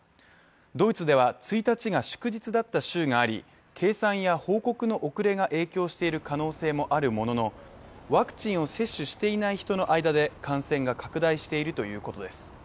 ドイツでは１日が祝日だった州があり、計算や報告の遅れが影響している可能性もあるもののワクチンを接種していない人の間で感染が拡大しているということです。